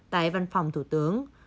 tại văn phòng thủ tướng